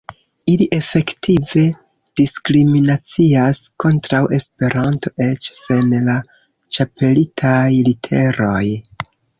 Ili efektive diskriminacias kontraŭ Esperanto eĉ sen la ĉapelitaj literoj.